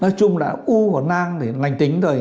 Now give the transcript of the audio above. nói chung là u và nang thì lình tính rồi